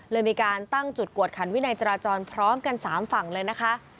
มีการตั้งจุดกวดขันวินัยจราจรพร้อมกัน๓ฝั่งเลยนะคะ